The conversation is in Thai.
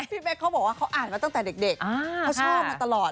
พี่เป๊กเขาบอกว่าเขาอ่านมาตั้งแต่เด็กเขาชอบมาตลอด